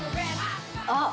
あっ。